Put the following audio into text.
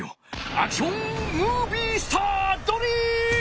アクションムービースタードリーム！